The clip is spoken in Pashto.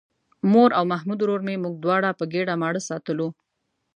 مور او محمود ورور مې موږ دواړه په ګېډه ماړه ساتلو.